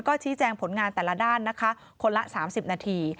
ชี้แจงผลงานแต่ละด้านนะคะคนละ๓๐นาที